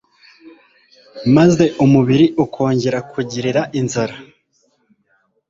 maze umubiri ukongera kugirira inzara